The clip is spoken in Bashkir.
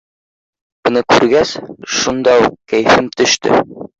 Быны күргәс, шунда уҡ кәйефем төштө.